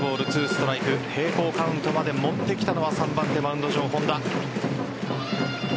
ストライク平行カウントまで持ってきたのは３番手・マウンド上、本田。